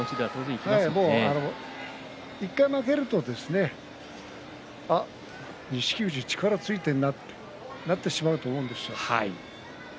いったん負けると錦富士力ついているなとなってしまうと思うんですよ。